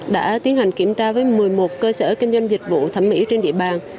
đã tiến hành kiểm tra với một mươi một cơ sở kinh doanh dịch vụ thẩm mỹ trên địa bàn